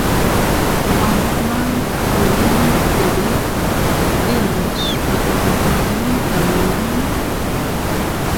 ئاسمان هەورین دەبێ، ئێمەش بە غەمگینی دەڵێین: